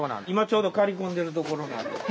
今ちょうど刈り込んでるところなんで。